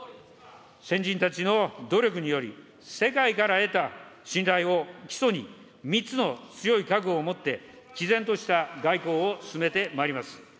先人たちの努力により、世界から得た信頼を基礎に、３つの強い覚悟を持ってきぜんとした外交を進めてまいります。